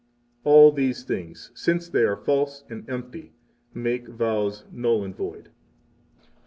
All these things, since they are false and empty, make vows null and void.